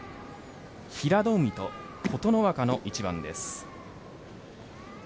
平戸海と琴ノ若の一番です。